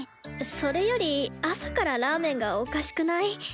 それより朝からラーメンがおかしくない？